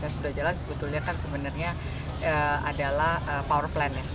yang sudah jalan sebetulnya kan sebenarnya adalah power plant